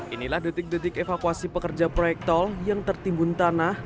inilah detik detik evakuasi pekerja proyek tol yang tertimbun tanah